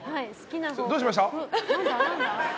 どうしました？